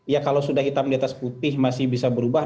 ya kalau sudah hitam di atas putih masih bisa berubah